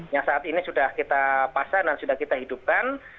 yang saat ini sudah kita pasang dan sudah kita hidupkan